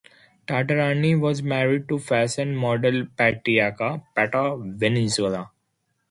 Tarantini was married to fashion model Patricia "Pata" Villanueva.